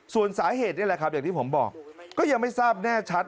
ส่วนสาเหตุนี่แหละครับอย่างที่ผมบอกก็ยังไม่ทราบแน่ชัด